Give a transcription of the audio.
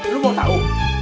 lo mau tau